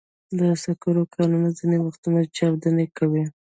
د سکرو کانونه ځینې وختونه چاودنې کوي.